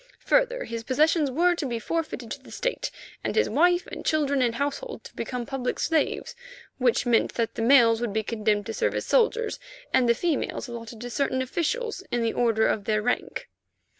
Further, his possessions were to be forfeited to the State, and his wife and children and household to become public slaves, which meant that the males would be condemned to serve as soldiers, and the females allotted to certain officials in the order of their rank.